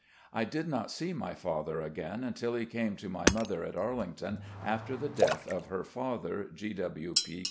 I did not see my father again until he came to my mother at Arlington after the death of her father, G. W. P.